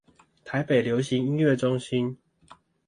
台北流行音樂中心